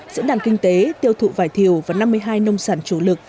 diễn đàn kinh tế tiêu thụ vải thiều và năm mươi hai nông sản chủ lực